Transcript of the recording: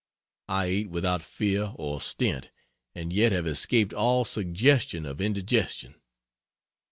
I ate without fear or stint, and yet have escaped all suggestion of indigestion.